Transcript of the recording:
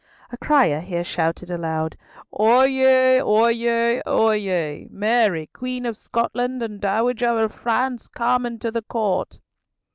A crier here shouted aloud, "Oyez, oyez, oyez! Mary, Queen of Scotland and Dowager of France, come into the Court!"